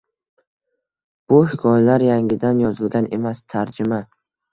Bu hikoyalar yangidan yozilgan emas, tarjima